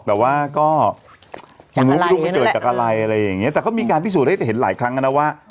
แต่ว่าก็ไม่รู้มันเกิดจากอะไรอะไรอย่างเงี้แต่ก็มีการพิสูจนให้จะเห็นหลายครั้งแล้วนะว่า